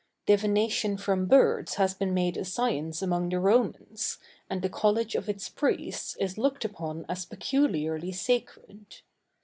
Divination from birds has been made a science among the Romans, and the college of its priests is looked upon as peculiarly sacred.